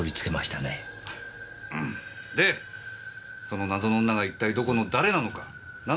その謎の女が一体どこの誰なのかな